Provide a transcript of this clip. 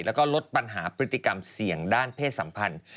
แล้วก็ลดปัญหาพฤติกรรมเสี่ยงด้านเพศสัมพันธ์